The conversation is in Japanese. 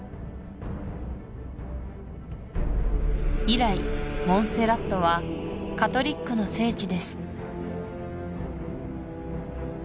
以来モンセラットはカトリックの聖地です